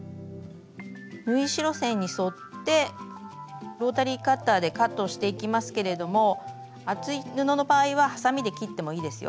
縫い代線に沿ってロータリーカッターでカットしていきますけれども厚い布の場合ははさみで切ってもいいですよ。